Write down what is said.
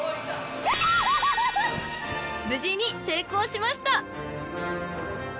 ［無事に成功しました］